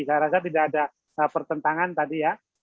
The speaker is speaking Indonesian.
saya rasa tidak ada pertentangan tadi ya